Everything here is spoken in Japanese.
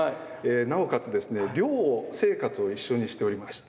なおかつですね寮生活を一緒にしておりました。